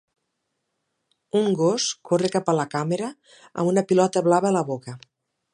Un gos corre cap a la càmera amb una pilota blava a la boca.